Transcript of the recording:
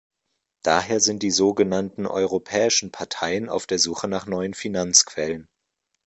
Daher sind die so genannten europäischen Parteien auf der Suche nach neuen Finanzquellen.